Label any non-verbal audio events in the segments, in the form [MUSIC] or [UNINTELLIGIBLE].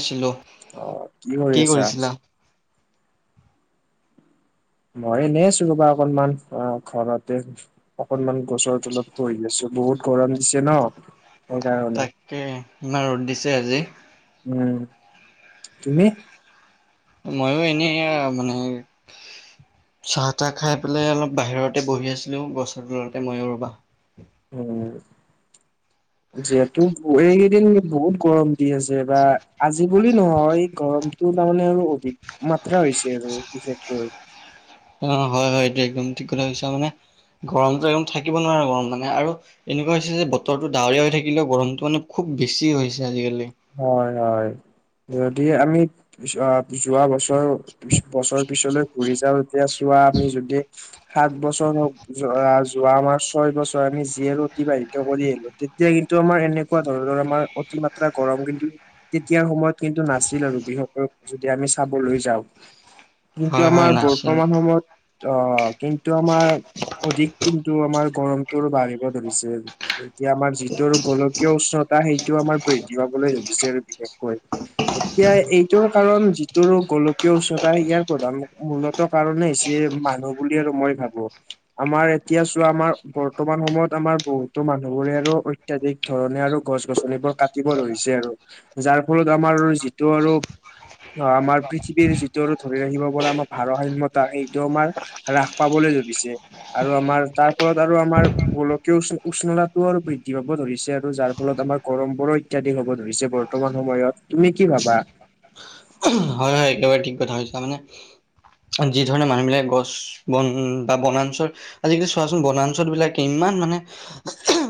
আছিলো। অ' কি কৰি আছা? মই এনেই আছোঁ ৰবা অকনমান অ' ঘৰতে অকনমান গছৰ তলত পৰি আছোঁ, বহুত গৰম দিছে ন'। সেইকাৰণে তাকে, ইমান ৰ'দ দিছে আজি। উম', তুমি? মইও এনেই মান চাহ-তাহ খাই পেলাই অলপ বাহিৰতে বহি আছিলোঁ, গছৰ তলতে মইও ৰ'বা। উম। যিহেতু এইকেইদিন বহুত গৰম দি আছে বা। আজি বুলি নহয়, গৰমটো তাৰমানে আৰু অধিকমাত্ৰা হৈছে আৰু বিশেষকৈ। অ', হয় হয়, এইটো একদম ঠিক কথা কৈছ, মানে গৰমটো একদম থাকিব নোৱাৰা গৰম, মানে আৰু এনেকুৱা হৈছে যে বতৰটো ডাৱৰীয়া হৈ থাকিলেও, গৰমটো মানে খুব বেছি হৈছে আজিকালি। হয়', হয়', যদি আমি যোৱা বছৰ বছৰ পিছলৈ ঘূৰি যাওঁ তেতিয়া চোৱা আমি যদি, সাত বছৰ যোৱা- যোৱা আমাৰ ছয় বছৰ আমি যিয়ে অতিবাহিত কৰি আহিলো, তেতিয়া কিন্তু আমাৰ এনেকুৱা ধৰণৰ আমাৰ অতিমাত্ৰা গৰম কিন্তু। তেতিয়া সময়ত কিন্তু নাছিল আৰু, বিশেষকৈ যদি আমি চাবলৈ যাওঁ। কিন্তু হয় হয় আমাৰ নাছিল বৰ্তমান সময়ত অ', কিন্তু আমাৰ অধিক কিন্তু আমাৰ গৰম বাঢ়িব ধৰিছে, এতিয়া আমাৰ যিটো গোলকীয় উষ্ণতা, সেইটো আমাৰ বি [UNINTELLIGIBLE] দিছে বিশেষকৈ। এতিয়া এইটোৰ কাৰণ যিটো গোলকীয় উচ্চতা, ইয়াৰ প্ৰধান মূলত টো কাৰণে হৈছে, মানুহ বুলি আৰু মই ভাবোঁ। আমাৰ এতিয়া চোৱা, আমাৰ বৰ্তমান সময়ত আমাৰ বহুতো মানুহবোৰে আৰু অত্যাধিক ধৰণে আৰু গছ গছনিবোৰ কা তিব ধৰিছে আৰু, যাৰ ফলত আমাৰ যিটো আৰু অ', আমাৰ পৃথিৱীৰ যিটো আৰু ধৰি ৰাখিব পৰা আমাৰ ভাৰসাময়তা, সেইটো আমাৰ হ্ৰাস পাবলৈ ধৰিছে। আৰু আমাৰ তাৰ ফলত আৰু আমাৰ, গোলকীয় উষ্-উষ্ণতাও আৰু বৃদ্ধি পাব ধৰিছে, আৰু যাৰ ফলত আমাৰ গৰম বৰ অত্যাধিক হ'ব ধৰিছে বৰ্তমান সময়ত, তুমি কি ভাবা? হয়, হয়, একেবাৰে ঠিক কথা কৈছা, মানে যি ধৰণে মানুহবিলাক, গছ, বন বা বনাঞ্চল আজিকালি চোৱাচোন বনাঞ্চল বিলাক, ইমান মানে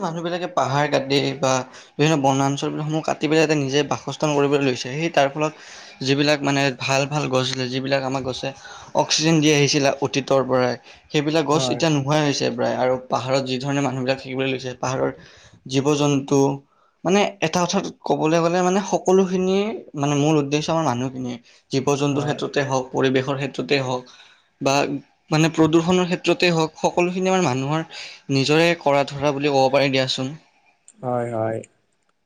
মানুহ বিলাকে পাহাৰ কাটে বা বিভিন্ন বনাঞ্চলসমূহ কাটি পেলাই তাতে নিজে বাসস্থান কৰিবলৈ লৈছে, সেই তাৰ ফলত যিবিলাক মানে, ভাল, ভাল গছ আছে, যিবিলাক আমাক গছে অক্সিজেন দি আহিছিলে অতীতৰ পৰাই, সেইবিলাক গছ হয় এতিয়া ন নোহোৱা হৈছে প্ৰায়, আৰু পাহাৰত যিধৰণে মানুহবিলাক থাকিবলৈ লৈছে, পাহাৰৰ জীৱ জন্তু মানে, এটা কথাাত ক'বলৈ গ'লে মানে, সকলোখিনিয়ে মানে মূল উদ্দেশ্য আমাৰ মানুহখিনিয়ে জীৱ জন্তুৰ হয় ক্ষেত্ৰতে হওঁক, পৰিৱেশৰ ক্ষেত্ৰতে হওঁক বা মানে প্ৰদূষনৰ ক্ষেত্ৰতে হওঁক, সকলোখিনি আমাৰ মানুহৰ নিজৰে কৰা ধৰা বুলি ক'ব পাৰি দিয়াচোন। হয়, হয়।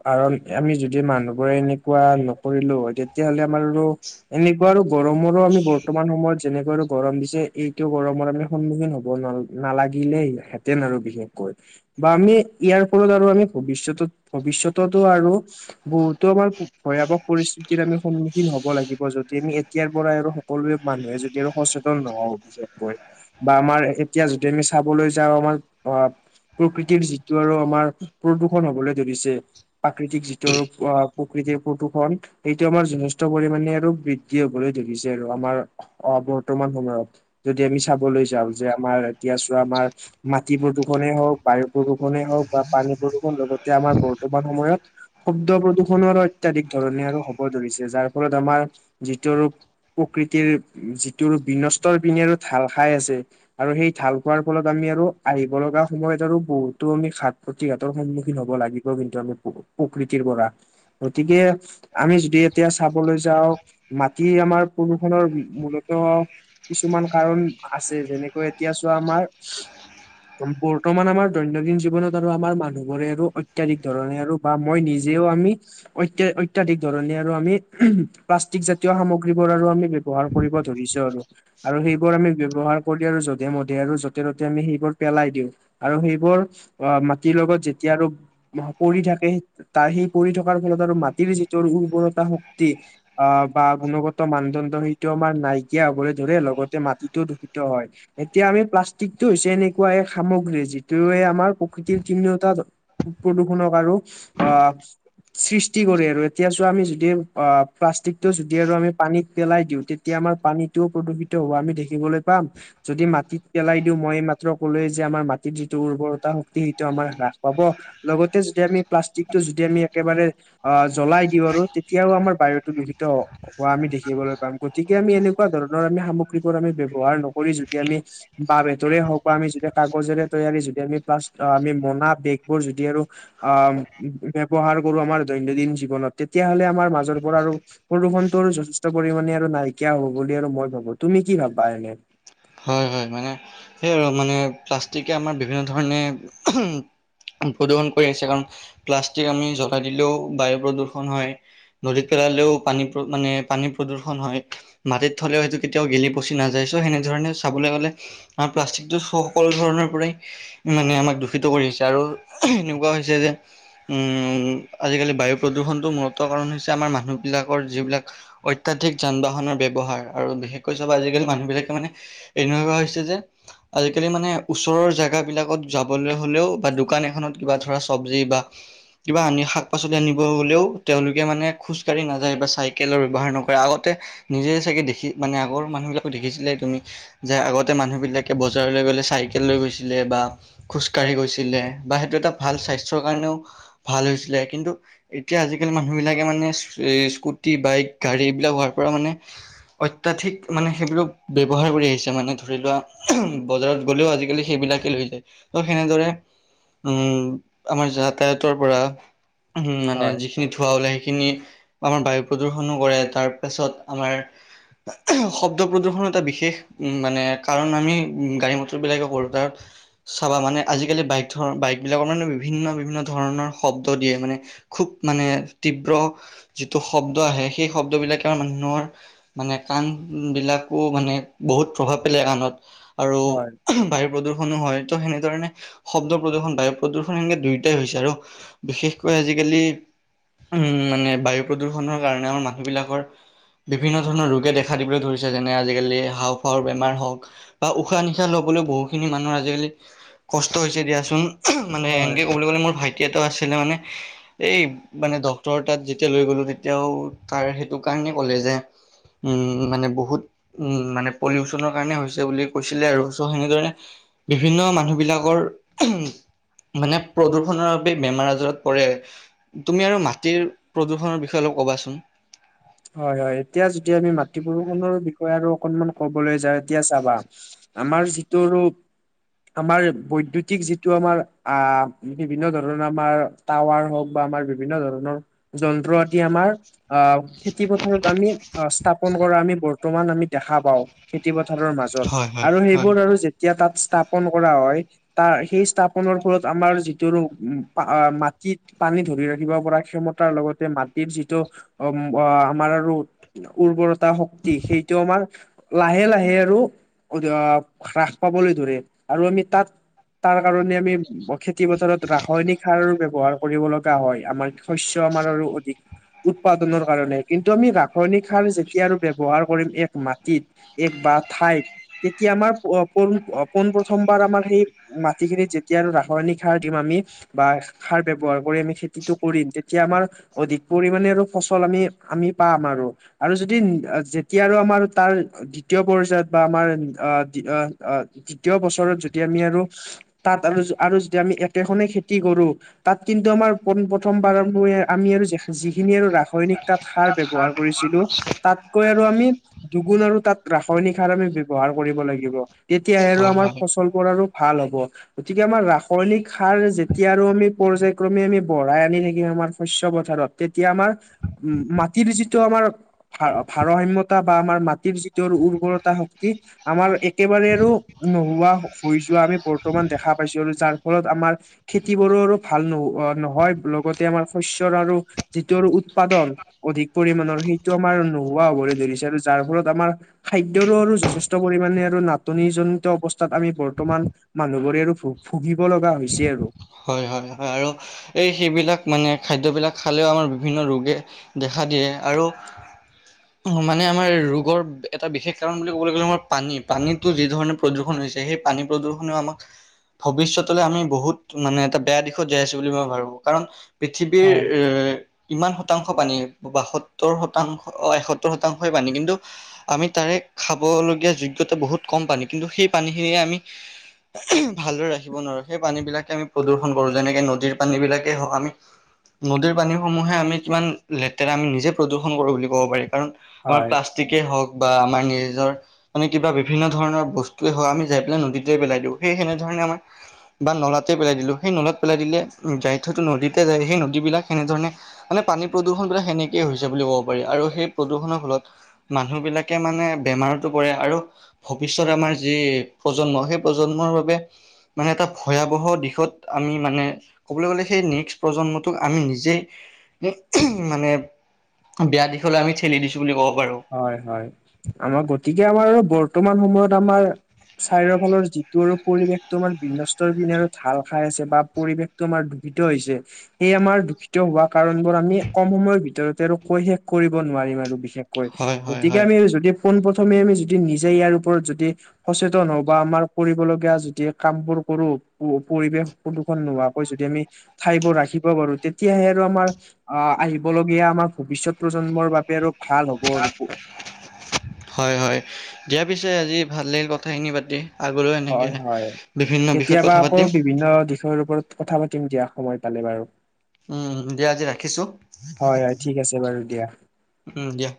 কাৰণ, আমি যদি মানুহবোৰে এনেকুৱা নকৰিলো হয়, তেতিয়াাহ'লে আমাৰ এনে গৰমৰো আমি বৰ্তমান সময়ত যেনেকৈ আৰু গৰম দিছে, এইটো গৰমৰ আমি সন্মুখীন হ'ব নালাগিলে হেঁতেন, আৰু বিশেষকৈ। বা আমি, ইয়াৰ ফলত আৰু আমি ভৱিষ্যত ভৱিষ্যতত আৰু বহুতো আমাৰ ভয়াৱক পৰিস্থিতিৰ আমি সন্মুখীন হ'ব লাগিব, যদি আমি এতিয়াৰ পৰাই আৰু সকলোৱে মানুহে যদি আৰু সচেতন নহওঁ, বিশেষকৈ। বা আমাৰ এতিয়া যদি, আমি চাবলৈ যাওঁ আমাৰ অ'। প্ৰকৃতিৰ যিটো আৰু আমাৰ প্ৰদূষণ, হ'বলৈ ধৰিছে প্ৰাকৃতিক যিটো আৰু প্ৰকৃতিৰ প্ৰদূষণ। সেইটো আমাৰ যথেষ্ট পৰিমানে আৰু বৃদ্ধি হ'বলৈ ধৰিছে, আৰু আমাৰ অ', বৰ্তমান সময়ত। যদি আমি চাবলৈ যাওঁ যে, আমাৰ এতিয়া চোৱা আমাৰ। মাটি প্ৰদূষণে হওক, বায়ু প্ৰদূষণে হওক বা পানী প্ৰদূষণ লগতে, আমাৰ বৰ্তমান সময়ত শব্দ প্ৰদূষণো আৰু অত্যধিক ধৰণে আৰু হ'ব ধৰিছে। যাৰ ফলত আমাৰ যিটো ৰূপ প্ৰকৃতিৰ যিটো বিনষ্টৰ পিনে ঢাল খাই আছে। আৰু সেই ঢাল খোৱাৰ ফলত, আমি আৰু আহিব লগা সময়ত, আৰু বহুতো আমি সা প্ৰতিঘাতৰ সন্মুখীন হ'ব লাগিব কিন্তু আমি, প্ৰকৃতিৰ পৰা। গতিকে আমি যদি এতিয়া চাবলৈ যাওঁ, মাটি আমাৰ প্ৰদূষণৰ মূলত কিছুমান কাৰণ আছে, যেনেকৈ এতিয়া চোৱা আমাৰ বৰ্তমান আমাৰ দৈনন্দিন জীৱনত আমাৰ মানুহবোৰে আৰু অত্যাধিক ধৰণে আৰু বা মই নিজেও আমি অত্যা অত্যাধিক ধৰণে আৰু আমি, প্লাষ্টিক জাতীয় সামগ্ৰীবোৰ আৰু আমি ব্য ব্যৱহাৰ কৰিব ধৰিছোঁ আৰু। আৰু সেইবোৰ আমি ব্যৱহাৰ কৰি দিওঁ, আৰু যধে-মধে আৰু য'তে-ত'তে আমি সেইবোৰ পেলাই দিওঁ। আৰু সেইবোৰ অ', মাটিৰ লগত যেতিয়া আৰু পৰি থাকে। তাৰ সেই পৰি থকাৰ ফলত আৰু মাটিৰ যিটোৰ উৰ্বৰতা শক্তি আ, বা গুণগত মানদণ্ড সেইটো আমাৰ নাইকিয়া হ'বলৈ ধৰে, লগতে মাটিটোও দূষিত হয়। এতিয়া আমি প্লাষ্টিকটো হৈছে এনেকুৱা এক সামগ্ৰী, যিটোয়ে আমাৰ [UNINTELLIGIBLE] প্ৰদূষনক আৰু আহ। সৃষ্টি কৰে আৰু। এতিয়া চোৱা, আমি যদি অ', প্লাষ্টিকটো যদি আৰু আমি পানীত পেলাই দিওঁ। তে তেতিয়া, আমাৰ পানীটোও প্ৰদূষিত হোৱা আমি দেখিবলৈ পাম। যদি মাটিত পেলাই দিওঁ, মই এমাত্ৰ ক'লোয়ে যে, আমাৰ মাটিত যিটো উৰ্বৰতা তিটো আমাৰ হ্ৰাস পাব। লগতে যদি আমি প্লাষ্টিকটো যদি আমি একেবাৰে অ', জ্বলাই দিওঁ আৰু তেতিয়াও, আমাৰ বায়ুতো দূষিত হ' হোৱা আমি দেখিবলৈ পাম। গতিকে, আমি এনেকুৱা ধৰণৰ আমি সামগ্ৰীবোৰ আমি ব্যৱহাৰ নকৰি, যদি আমি বাহ-বেতৰে হওঁক বা আমি যদি কাগজৰে তৈয়াৰী, যদি আমি প্লাচ অ', আমি মোনা, বেগবোৰ যদি আৰু আহ, ব্যৱহাৰ কৰোঁ আমাৰ দৈনন্দিন জীৱনত। তেতিয়াহ'লে, আমাৰ মাজৰ পৰা আৰু প্ৰদুষণটো আৰু যথেষ্ট পৰিমাণে আৰু নাইকিয়া হ'ব বুলি আৰু মই ভাবোঁ। তুমি কি ভাবা এনে? হয়, হয়, মানে সেই আৰু মানে, প্লাষ্টিকে আমাৰ বিভিন্ন ধৰণে প্ৰদূষণ কৰি আহিছে। কাৰণ, প্লাষ্টিক আমি জ্বলাই দিলেও বায়ু প্ৰদূষণ হয়। নদীত পেলালেও পানী মানে পানী প্ৰদূষণ হয়। মাটিত থ'লেও এইটো কেতিয়াও গেলি-পচি নাযায়। চ' সেনেধৰণে চাবলৈ গ'লে, আমাৰ প্লাষ্টিক সকলো ধৰণৰ পৰাই মানে আমাক দূষিত কৰি আহিছে। আৰু এনেকুৱা হৈছে যে আজিকালি, বায়ু প্ৰদূষণটোৰ মূলত কাৰণ হৈছে, আমাৰ মানুহবিলাকৰ যিবিলাক অত্যধিক যান-বাহনৰ ব্যৱহাৰ। আৰু বিশেষকৈ চব আজিকালি মানুহবিলাকে মানে এনেকুৱা হৈছে যে আজিকালি মানে, ওচৰৰ জেগাবিলাকত যাবলৈ হ'লেও বা দোকান এখনত কিবা ধৰা চব্জি বা কিবা আনি শাক পাচলি আনিব গ'লেও তেওঁলোকে মানে খোজকাঢ়ি নাযায়, বা চাইকেলৰ ব্যৱহাৰ নকৰে। আগতে নিজে চাগে দেখি, মানে আগৰ মানুহবিলাকক দেখিছিলাই তুমি যে আগতে, মানুহবিলাকে বজাৰলৈ গ'লে চাইকেল লৈ গৈছিলে। বা খোজকাাঢ়ি গৈছিলে বা সেইটো এটা ভাল স্বাস্থ্যৰ কাৰণেও, ভাল হৈছিলে কিন্তু, এতিয়া আজিকালি মানুহ বিলাকে মানে, স্কুটি, বাইক, গাড়ী এইবিলাক হোৱাৰ পৰা মানে অত্যাধিক মানে সেইবোৰ ব্যৱহাৰ কৰি আহিছে। মানে ধৰি লোৱা, বজাৰত গ'লেও আজিকালি সেইবিলাকেই লৈ যায়, ত' সেনেদৰে উম, আমাৰ যাতায়তৰ পৰা উম, মানে হয় যিখিন ধোৱা ওলাই সেইখিনি, আমাৰ বায়ু প্ৰদূষণো কৰে, তাৰ পাছত আমাৰ শব্দ প্ৰদূষণো এটা বিশেষ মানে কাৰণ আমি, গাড়ী মটৰ বিলাকে কৰোঁ, তাত চাবা মানে, আজিকালি বাইক ধৰ বাইকবিলাকৰ মানে বিভিন্ন, বিভিন্ন ধৰণৰ শব্দ দিয়ে মানে। খুব মানে তীব্ৰ, যিটো শব্দ আহে সেই শব্দবিলাকে মানুহৰ মানে কাণ বিলাককো মানে বহুত প্ৰভাৱ পেলাই কাণত, আৰু হয় বায়ু প্ৰদূষণো হয়, ত' সেনেধৰণে শব্দ প্ৰদূষণ, বায়ু প্ৰদূষণ সেনেকে দুয়োটাই হৈছে, আৰু বিশেষকৈ আজিকালি, উম, মানে বায়ু প্ৰদূষণৰ কাৰণে আমাৰ মানুহ বিলাকৰ বিভিন্ন ধৰণৰ ৰোগে দেখা দিবলৈ ধৰিছে, যেনে আজিকালি বেমাৰ হওঁক, বা উশাহ-নিশাহ ল'বলৈ বহু খিনি মানুহৰ আজিকালি কষ্ট হৈছে দিয়াচোন, মানে হয় এনেকে ক'বলৈ গ'লে মোৰ ভাইটি এটা আছিলে মানে এই মানে ডক্টৰ তাত যেতিয়া লৈ গ'লো, তেতিয়াও তাৰ সেইটো কাৰণে ক'লে যে উম, মানে বহুত, উম, মানে পলিউচনৰ কাৰণে হৈছে বুলি কৈছিলে আৰু, চ' সেনেদৰে বিভিন্ন মানুহ বিলাকৰ মানে প্ৰদূষণৰ বাবে বেমাৰ-আজাৰত পৰে। তুমি আৰু মাটিৰ, প্ৰদূষণৰ বিষয়ে অলপ ক'বাচোন। হয়, হয়, এতিয়া যদি আমি মাটি প্ৰদূষণৰ বিষয়ে আৰু অকনমান ক'বলৈ যাওঁ, এতিয়া চাবা আমাৰ যিটো ৰূপ আমাৰ বৈদ্য়ুতিক যিটো আমাৰ, আহ বিভিন্ন ধৰণৰ আমাৰ টাৱাৰ হওঁক বা আমাৰ বিভিন্ন ধৰণৰ যন্ত্ৰ, আদি আমাৰ, আহ খেতি পথাৰত আমি, অ', স্থাপন কৰা আমি বৰ বৰ্তমান আমি দেখা পাওঁ, খেতি পথাৰৰ মাজত, হয় হয় আৰু হয় সেইবোৰ আৰু যেতিয়া তাত স্থাপন কৰা হয় তাৰ, সেই স্থাপনৰ ফলত আমাৰ, যিটো মাটিত পানী ধৰি ৰাখিব পৰা ক্ষমতাৰ লগতে, মাটিৰ যিটো অ' বা আমাৰ আৰু, উৰ্বৰতা শক্তি সেইটো আমাৰ লাহে, লাহে আৰু হ্ৰাস পাবলৈ ধৰে, আৰু আমি তাত তাৰ কাৰণে আমি খেতি-পথাৰত, ৰাসায়নিক সাৰ ব্যৱহাৰ কৰোঁ। কৰিব লগা হয়, আমাৰ শস্য আমাৰ আৰু অধিক, উৎপাদনৰ কাৰণে, কিন্তু আমি ৰাসায়নিক সাৰ যেতিয়া আৰু ব্যৱহাৰ কৰিম, এক মাটিত এক বা ঠাইত তেতিয়া আমাৰ পোন, পোন প্ৰথমবাৰ আমাৰ সেই মাটিখিনিত যেতিয়া আৰু ৰাসায়নিক সাৰ দিম আমি বা সাৰ ব্যৱহাৰ কৰি আমি খেতিটো কৰিম, তেতিয়া আমাৰ অধিক পৰিমণে আৰু, ফচল ফল আমি, আমি পাম আৰু, আৰু যদি যেতিয়া আৰু আমাৰ তাৰ দ্বিতীয় পৰ্যায়ত বা আমাৰ দ্বিতীয় বছৰত যদি আমি আৰু তাত আৰু, আৰু যদি আমি একেখনে খেতি কৰোঁ তাত কিন্তু আমাৰ, পোন প্ৰথমবাৰৰ বাবে আমি আৰু, যিখিনি আৰু ৰাসায়নিক তাত সাৰ ব্যৱহাৰ কৰিছিলোঁ, তাত কৈআৰু আমি দুগুণ আৰু তাত, ৰাসায়নিক সাৰ আমি ব্যৱহাৰ কৰিব লাগিব। তেতিয়াহে আৰু হয় আমাৰ হয় ফচলবোৰ আৰু ভাল হ'ব। গতিকে আমাৰ ৰাসায়নিক সাৰ যেতিয়া আৰু আমি পৰ্যয়ক্ৰমে আমি বঢ়াই আনি থাকিম আমাৰ শস্য পথাৰত তেতিয়া আমাৰ উ, মাটিৰ যিটো আমাৰ ভা, ভাৰসাম্যতা বা আমাৰ মাটিৰ যিটো উৰ্বৰতা শক্তি আমাৰ একেবাৰে আৰু নোহোৱা হৈ যোৱা আমি বৰ্তমান দেখা পাইছো আৰু যাৰ ফলত আমাৰ খেতি বোৰো আৰু ভাল নহ - নহয় লগতে আমাৰ শস্য়ৰ আৰু যিটো আৰু উৎপাদন অধিক পৰিমণৰ সেইটো আমাৰ নোহোৱা হ'বলৈ ধৰিছে আৰু যাৰ ফলত আমাৰ খাদ্যৰো আৰু যথেষ্ট পৰিমণে আৰু নাটনি জনিত অৱস্থাত আমি বৰ্তমান মানুহবোৰে আৰু ভু ভুগিব লগা হৈছে আৰু। হয়- হয়- হয়, আৰু এই সেইবিলাক মানে খাদ্যবিলাক খালেও আমাৰ বিভিন্ন ৰোগে দেখা দিয়ে আৰু [INAUDIBLE] মানে আমাৰ ৰোগৰ এটা বিশেষ কাৰণ বুলি ক'বলৈ গ'লে আমাৰ পানী পানীটো যি ধৰণে প্ৰদূৰষণ হৈছে সেই পানী প্ৰদূৰষণেও আমাক ভৱিষ্যতলৈ আমি বহুত মানে এটা বেয়া দিশত যাই আছো বুলি মই ভাবো কাৰণ পৃথিৱীৰ হয় এ ইমান শতাংশ পানী বাসত্তৰ শতাংশ অ, এসত্তৰ শতাংশই পানী কিন্তু আমি তাৰে খাবলগীয়া যোগ্যতা বহুত কম পানী কিন্তু সেই পানীখিনিয়ে আমি ভালদৰে ৰাখিব নোৱাৰো সেই পানী বিলাক আমি প্ৰদূৰ্শন কৰো যেনেকে নদীৰ পানী বিলাকে হওঁক আমি নদীৰ পানীসমূহে আমি কিমান লেতেৰা আমি নিজে প্ৰদূষণ কৰোঁ বুলি ক'ব পাৰি কাৰণ আমাৰ হয় প্লাষ্টিকেই হওক বা আমাৰ নিজৰ মানে কিবা বিভিন্ন ধৰণ বস্তুৱে হওক আমি যাই পেলাই নীতে পেলাই দিওঁ সেই সেনেধৰণে আমাৰ বা নলাতে পেলাই দিলো, সেই নলাত পেলাই দিলে উম, যাই থটো নদীতে যায় সেই নদীবিলাক সেনেধৰণে মানে পানী প্ৰদূষণবিলাক সেনেকয়ে হৈছে বুলি ক'ব পাৰি আৰু সেই প্ৰদূষণৰ ফলত মানুহ বিলাকে মানে বেমাৰতো পৰে আৰু ভৱিষয়ত আমাৰ যি প্ৰজন্ম সেই প্ৰজন্মৰ বাবে মানে এটা ভয়াৱহ দিশত আমি মানে ক'বলৈ গ'লে সেই নেক্সট প্ৰজন্মটোক আমি নিজেই মানে বেয়া দিশলৈ আমি ঠেলি দিছো বুলি ক'ব পাৰো। হয় - হয়, আমাৰ গতিকে আমাৰ বৰ্তমান সময়ত আমাৰ চাৰিৰ ফালৰ যিটো আৰু পৰিৱেশ তোমাৰ বিৃন্নস্তৰ পিনে আৰু ঢাল খাই আছে বা পৰিৱেশ তোমাৰ ধূপিত হৈছে সে আমাৰ দূষিত হোৱা কাৰণ বোৰ আমি কম সময়ৰ ভিতৰতে আৰু কৈ শেষ কৰিব নোৱাৰিম আৰু বিশেষ কয় হয় হয় গতিকে হয় আমি যদি পোন প্ৰথমে আমি যদি নিজে ইয়াৰ ওপৰত যদি সচেতন হওঁ বা আমাৰ কৰিবলগীয়া যদি কাম বোৰ কৰোঁ, পৰিৱেশ প্ৰদূষণ নোহোৱাকৈ যদি আমি ঠাইবোৰ ৰাখিব পাৰো তে তেতিয়াহে আৰু আমাৰ আহিবলগীয়া আমাৰ ভৱিষ্যত প্ৰজন্মৰ বাবে আৰু ভাল হ'ব আৰু। হয় - হয়, দিয়া পিছে আজি ভাল লাগিল কথাখিনি পাতি। আগলৈও এনেকে হয় বিভিন্ন বিষয়ত কথা পাতিম। বিনা ওপৰত কথা পাতিম দিয়া সময় পালে বাৰু। উম দিয়া আজি ৰাখিছো হয় - হয়, ঠিক আছে বাৰু দিয়া। উম, দিয়া।